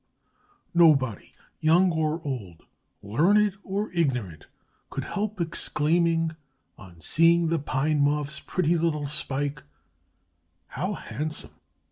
Nobody, young or old, learned or ignorant, could help exclaiming, on seeing the Pine Moth's pretty little spike, "How handsome!"